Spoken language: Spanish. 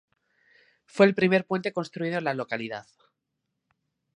Fue el primer puente construido en la localidad.